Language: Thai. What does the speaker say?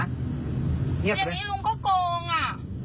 อย่างนี้ลุงก็โกงอ่ะ